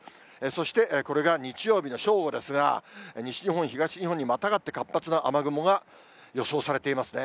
そしてこれが日曜日の正午ですが、西日本、東日本にまたがって活発な雨雲が予想されていますね。